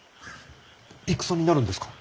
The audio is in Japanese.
戦になるんですか。